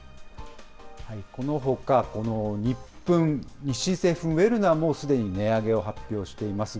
このほか、ニップン、日清製粉ウェルナもすでに値上げを発表しています。